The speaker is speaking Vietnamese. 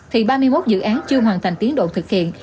thì ba mươi một dự án chưa hoàn thành tiến độ thực hiện